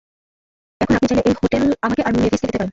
এখন আপনি চাইলে এই হোটেল আমাকে আর মেভিসকে দিতে পারেন।